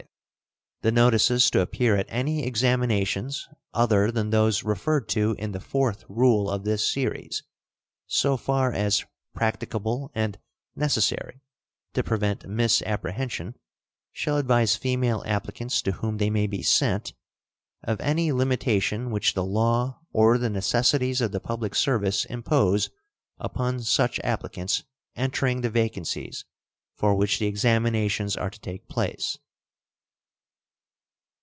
The notices to appear at any examinations other than those referred to in the fourth rule of this series, so far as practicable and necessary to prevent misapprehension, shall advise female applicants to whom they may be sent of any limitation which the law or the necessities of the public service impose upon such applicants entering the vacancies for which the examinations are to take place.